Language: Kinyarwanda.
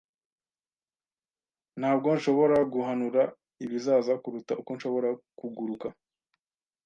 Ntabwo nshobora guhanura ibizaza kuruta uko nshobora kuguruka.